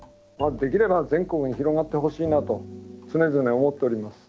できれば全国に広がってほしいなと常々思っております。